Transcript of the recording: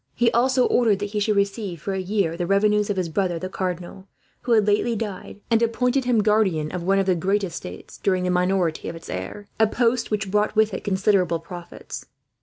He also ordered that he should receive, for a year, the revenues of his brother the cardinal, who had lately died; and appointed him guardian of one of the great estates, during the minority of its heir a post which brought with it considerable profits.